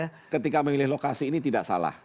ya kita ingin ketika memilih lokasi ini tidak salah